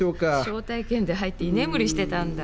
招待券で入って居眠りしてたんだ。